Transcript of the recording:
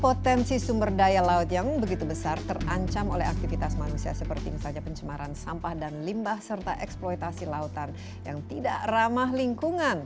potensi sumber daya laut yang begitu besar terancam oleh aktivitas manusia seperti misalnya pencemaran sampah dan limbah serta eksploitasi lautan yang tidak ramah lingkungan